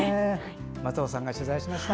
松尾さんが取材しました。